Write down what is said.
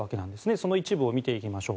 その一部を見ていきましょう。